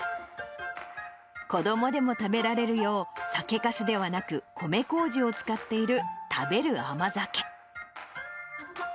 子どもでも食べられるよう、酒かすではなく米こうじを使っている食べる甘酒。